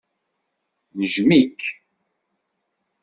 Nejjem-ik.